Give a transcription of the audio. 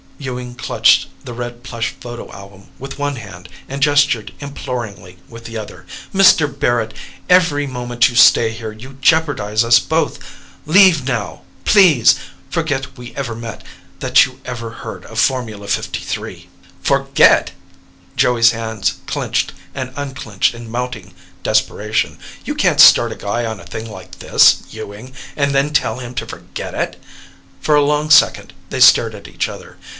Ewing clutched the red plush photo album with one hand and gestured imploringly with the other. "Mr. Barrett, every moment you stay here, you jeopardize us both. Leave now. Please. Forget we ever met ... that you ever heard of Formula #53." "Forget!" Joey's hands clenched and unclenched in mounting desperation. "You can't start a guy on a thing like this, Ewing, and then tell him to forget it!" For a long second, they stared at each other.